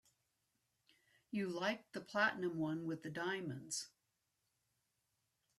You liked the platinum one with the diamonds.